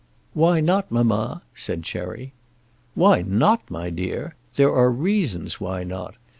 "Why not, mamma?" said Cherry. "Why not, my dear! There are reasons why not.